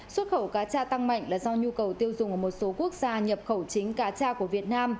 xuất khẩu cá cha tăng mạnh là do nhu cầu tiêu dùng ở một số quốc gia nhập khẩu chính cá cha của việt nam